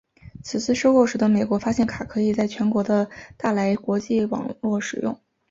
此次收购使得美国发现卡可以在全球的大来国际网络使用。